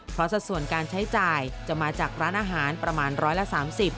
เพราะสัดส่วนการใช้จ่ายจะมาจากร้านอาหารประมาณร้อยละ๓๐